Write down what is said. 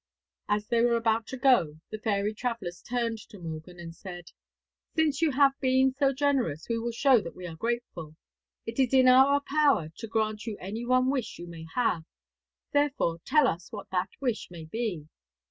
As they were about to go, the fairy travellers turned to Morgan and said, 'Since you have been so generous we will show that we are grateful. It is in our power to grant you any one wish you may have; therefore tell us what that wish may be.'